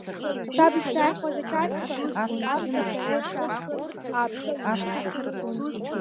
Саб исзааихәаз ачарҳәқәа абжак дара ирҿасҵеит, абжак.